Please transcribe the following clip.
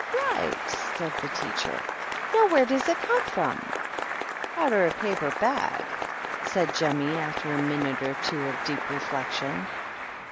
"Right!" said the teache: " Now, where does it com from?" " Outer a paper bag," sai Jemmy, after a minute or two of deep refle» tion.